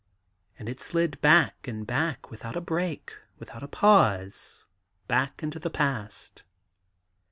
And it slid back and back, without a break, without a pause, back into the past.